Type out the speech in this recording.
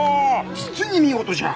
実に見事じゃ！